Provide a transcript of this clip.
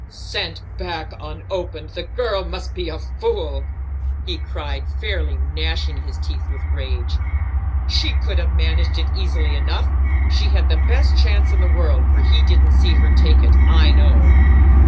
"Sent back unopened! The girl must be a fool!" he cried, fairly gnashing his teeth with rage. "She could have managed it easily enough; she had the best chance in the world, for he didn't see her take it, I know."